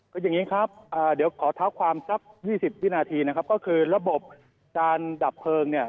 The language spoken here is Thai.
ก็อย่างนี้ครับเดี๋ยวขอเท้าความสัก๒๐วินาทีนะครับก็คือระบบการดับเพลิงเนี่ย